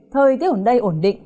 thời tiết ở đây ổn định